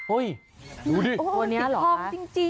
โอ้ยดูดิติดพร้อมจริงน่ะโอ้ยตัวนี้หรอ